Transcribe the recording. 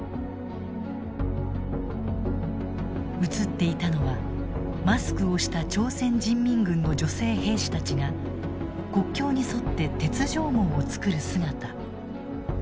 映っていたのはマスクをした朝鮮人民軍の女性兵士たちが国境に沿って鉄条網を作る姿。